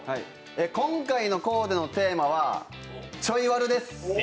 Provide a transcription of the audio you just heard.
今回のコーデのテーマはちょいワルです。